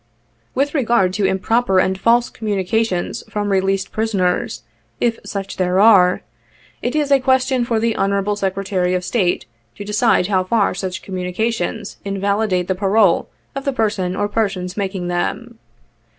" With regard to improper and false communications from released prisoners, if such there are, it is a question for the Honorable Secretary of State to decide how far such communications invalidate the parole of the person or persons making them.